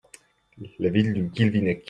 La Ville du Guilvinec.